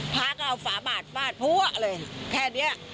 พระก็เอาฝาบาดฟาดพัวเลยแค่นี้